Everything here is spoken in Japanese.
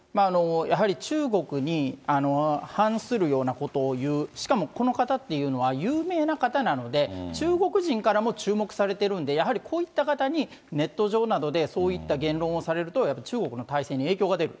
やはり、中国に反するようなことを言う、しかもこの方っていうのは有名な方なので、中国人からも注目されているんで、やはりこういった方にネット上などでそういった言論をされると、やっぱり中国の体制に影響が出る。